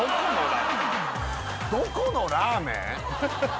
どこのラーメン！？